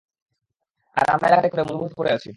আর আমরা এলাকা ত্যাগ করে মরুভূমিতে পড়ে আছি।